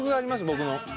僕の。